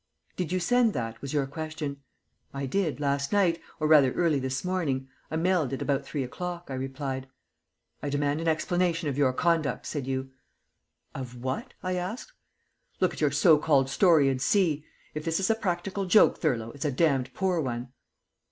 "Did you send that?" was your question. "I did last night, or rather early this morning. I mailed it about three o'clock," I replied. "I demand an explanation of your conduct," said you. "Of what?" I asked. "Look at your so called story and see. If this is a practical joke, Thurlow, it's a damned poor one."